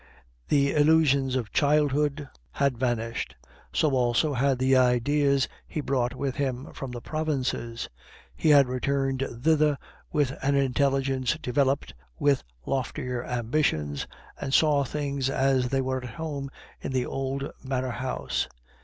The illusions of childhood had vanished, so also had the ideas he brought with him from the provinces; he had returned thither with an intelligence developed, with loftier ambitions, and saw things as they were at home in the old manor house.